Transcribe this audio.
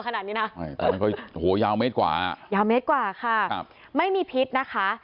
ขนาดนี้หน้าไม่ยาวเมตกว่าไม่มีผิดนะคะ